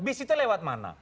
bis itu lewat mana